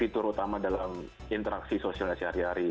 fitur utama dalam interaksi sosialnya sehari hari